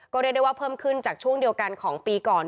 ก็เรียกได้ว่าเพิ่มขึ้นจากช่วงเดียวกันของปีก่อน